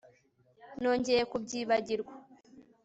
Nongeye kubyibagirwa